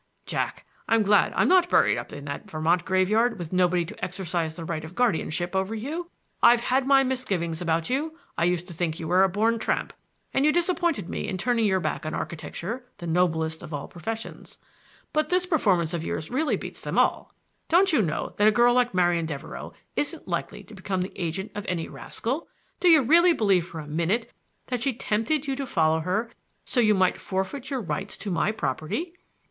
"Jack, I'm glad I'm not buried up there in that Vermont graveyard with nobody to exercise the right of guardianship over you. I've had my misgivings about you; I used to think you were a born tramp; and you disappointed me in turning your back on architecture,—the noblest of all professions; but this performance of yours really beats them all. Don't you know that a girl like Marian Devereux isn't likely to become the agent of any rascal? Do you really believe for a minute that she tempted you to follow her, so you might forfeit your rights to my property?"